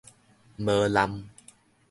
無濫